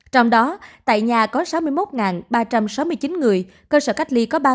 trong đó tại nhà có sáu mươi một ba trăm sáu mươi chín người cơ sở cách ly có ba một trăm một mươi một